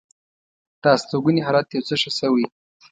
د هستوګنې حالت یو څه ښه شوی.